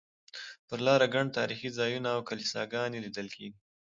پر لاره ګڼ تاریخي ځایونه او کلیساګانې لیدل کېدې.